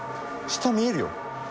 下見えるよ。